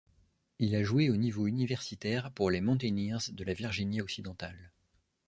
Il a joué au niveau universitaire pour les Mountaineers de la Virginie-Occidentale.